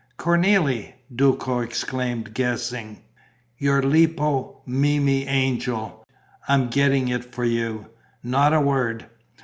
"Cornélie!" Duco exclaimed, guessing. "Your Lippo Memmi angel. I'm getting it for you. Not a word!"